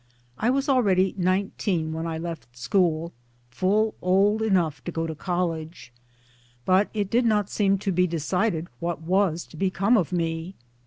I was already nineteen when I left school, full old enough to go to College, but it did not seem to be decided what was to become of me.